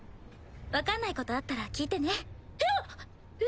分かんないことあったら聞いてね。